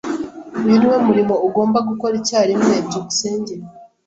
Uyu niwo murimo ugomba gukora icyarimwe. byukusenge